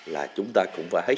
là chúng ta cũng phải